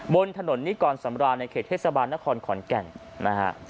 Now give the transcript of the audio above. บนถนนนิกรสำราญในเขตเทศบาลนครขอนแก่นนะฮะ